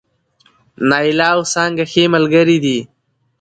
نايله او څانګه ښې ملګرې دي